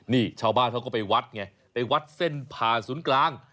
นี่ชาวบ้านเขาก็ไปวัดไงไปวัดเส้นผ่าศูนย์กลาง